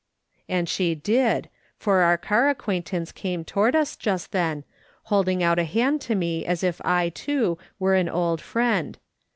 And she did, for our car acquaintance came toward us just then, holding out a hand to me as if I, too, were an old friend.